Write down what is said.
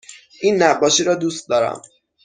این نقاشی را دوست دارم.